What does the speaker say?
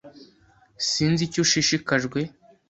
Sinzi icyo ushishikajwe